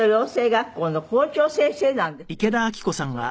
学校の校長先生なんですよ。